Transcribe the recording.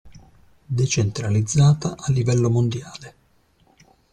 Decentralizzata a livello mondiale.